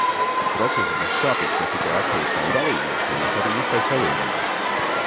Process būs sāpīgs ne tikai atsevišķām dalībvalstīm, bet arī visai Savienībai.